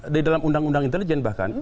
di dalam undang undang intelijen bahkan